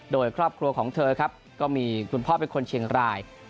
โดยครอบครัวของเธอครับก็มีคุณพ่อเป็นคนเชียงราย